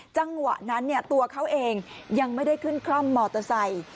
จังหวะนั้นตัวเขาเองยังไม่ได้ขึ้นคล่อมมอเตอร์ไซค์